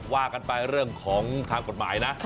ว่ากันไปเรื่องของทางกฎหมายนะ